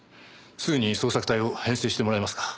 すぐに捜索隊を編成してもらえますか？